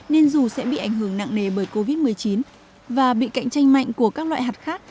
nên dù sẽ bị ảnh hưởng nặng nề bởi covid một mươi chín và bị cạnh tranh mạnh của các loại hạt khác